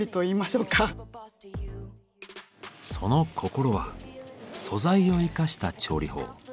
その心は素材を生かした調理法。